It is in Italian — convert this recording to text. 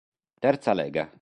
Terza Lega